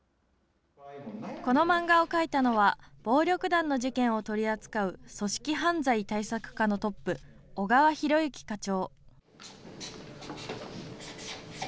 この漫画を描いたのは、暴力団の事件を取り扱う組織犯罪対策課のトップ、小川寛之課長。